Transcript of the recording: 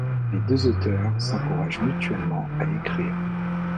Les deux auteurs s'encouragent mutuellement à écrire.